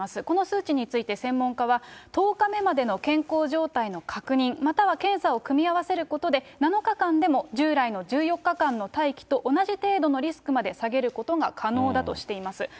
この数値について専門家は、１０日目までの健康状態の確認、または検査を組み合わせることで、７日間でも従来の１４日間の待機と同じ程度のリスクまで下げることが可能だとしています。